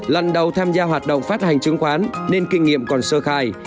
lần đầu tham gia hoạt động phát hành chứng khoán nên kinh nghiệm còn sơ khai